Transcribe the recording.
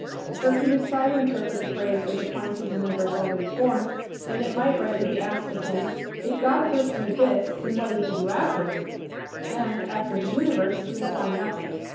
For if he would try to interpret the phrase as applying to the universe already formed, it then might rightly be asked of him, "If God first made this, what then did he do afterward?" And, after the universe, he will find nothing.